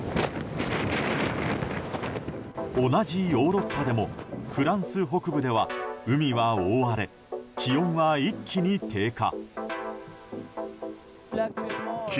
同じヨーロッパでもフランス北部では海は大荒れ気温は一気に低下。